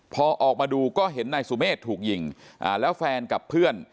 พอออกมาดูก็เห็นนายสุเมฆถูกยิงแล้วแฟนกับเพื่อน